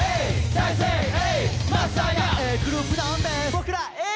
「僕らＡぇ！